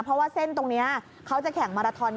เพราะว่าเส้นตรงนี้เขาจะแข่งมาราทอน